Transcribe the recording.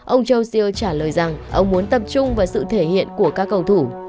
ông joeer trả lời rằng ông muốn tập trung vào sự thể hiện của các cầu thủ